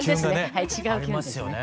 はい違うキュンですね。